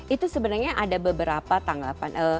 itu sebenarnya ada beberapa tanggapan